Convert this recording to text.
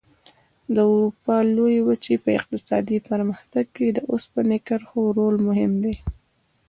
د اروپا لویې وچې په اقتصادي پرمختګ کې د اوسپنې کرښو رول مهم دی.